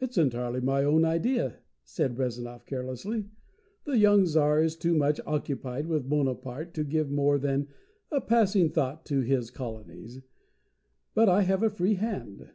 "It is entirely my own idea," said Rezanov carelessly. "The young Tsar is too much occupied with Bonaparte to give more than a passing thought to his colonies. But I have a free hand.